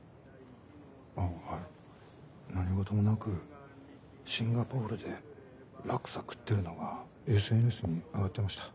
あっはい何事もなくシンガポールでラクサ食ってるのがＳＮＳにあがってました。